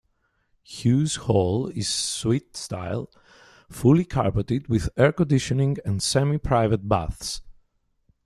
Hughes Hall is suite style, fully carpeted with air conditioning and semi-private baths.